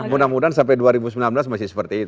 mudah mudahan sampai dua ribu sembilan belas masih seperti itu